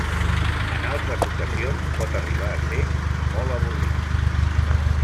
En altres ocasions, pot arribar a ser molt avorrit.